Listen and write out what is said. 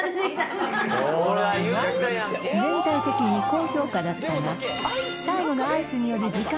全体的に高評価だったが最後のアイスによる時間